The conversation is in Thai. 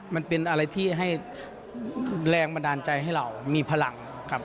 มันเป็นอะไรที่ให้แรงบันดาลใจให้เรามีพลังครับ